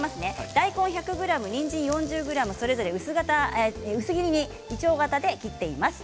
大根、にんじん、それぞれ薄切りにいちょう形に切っています。